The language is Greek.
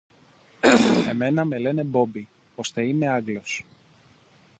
Εμένα με λένε Μπόμπη, ώστε είμαι Άγγλος